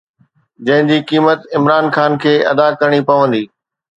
جنهن جي قيمت عمران خان کي ادا ڪرڻي پوندي